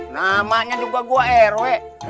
namanya juga gue rw